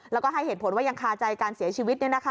แล้วก็ให้เหตุผลว่ายังคาใจการเสียชีวิต